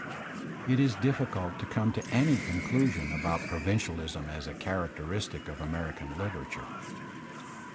It is difficult to come to any conclusion about; f t( J provincialism as a characteristic of American literature.